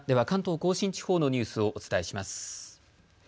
関東甲信地方のニュースをお伝えします。